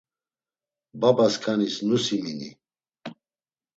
Babaskanis nusimini.